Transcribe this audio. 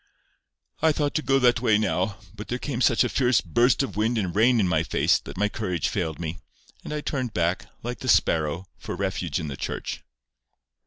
"I thought to go that way now, but there came such a fierce burst of wind and rain in my face, that my courage failed me, and I turned back—like the sparrow—for refuge in the church."